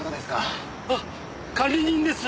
あっ管理人です。